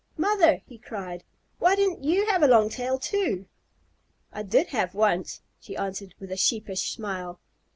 "Mother," he cried, "why didn't you have a long tail too?" "I did have once," she answered with a sheepish smile.